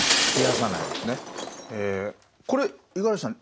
これ五十嵐さん